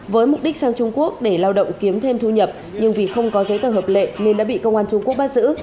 với mục đích sang trung quốc để lao động kiếm thêm thu nhập nhưng vì không có giấy tờ hợp lệ nên đã bị công an trung quốc bắt giữ